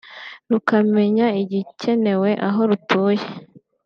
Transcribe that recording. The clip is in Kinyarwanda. rukamenya igikenewe aho rutuye